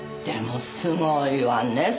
でもすごいわね